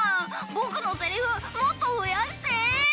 僕のセリフもっと増やして！